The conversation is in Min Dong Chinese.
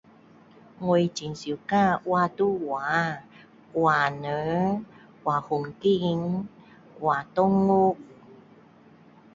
我很喜欢画图画。画人，画风景，画动物。